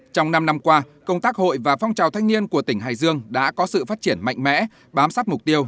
trong năm năm qua công tác hội và phong trào thanh niên của tỉnh hải dương đã có sự phát triển mạnh mẽ bám sát mục tiêu